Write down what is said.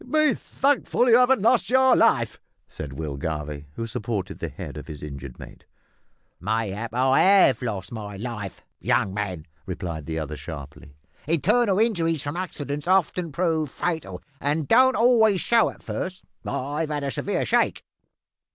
"Be thankful you haven't lost your life," said Will Garvie, who supported the head of his injured mate. "Mayhap I have lost my life, young man," replied the other sharply. "Internal injuries from accidents often prove fatal, and don't always show at first. I've had a severe shake."